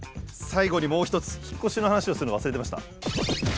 最後にもう一つ引っ越しの話をするの忘れてました。